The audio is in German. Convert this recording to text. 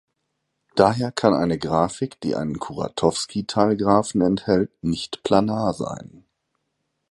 Daher kann eine Grafik, die einen Kuratowski-Teilgraphen enthält, nicht planar sein.